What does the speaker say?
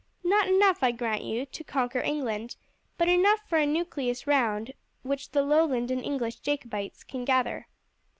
Not enough, I grant you, to conquer England, but enough for a nucleus round which the Lowland and English Jacobites can gather."